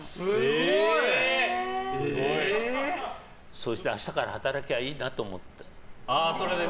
そうしたら明日から働きゃいいなと思って。